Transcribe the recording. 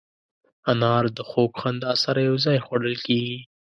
انار د خوږ خندا سره یو ځای خوړل کېږي.